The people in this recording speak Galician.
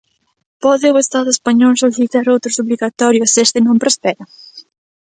Pode o Estado español solicitar outro suplicatorio se este non prospera?